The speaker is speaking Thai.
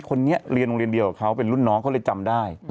คนนี้เรียนโรงเรียนเดียวกับเขาเป็นรุ่นน้องเขาเลยจำได้